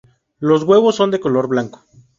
Los huevos son de color blanco.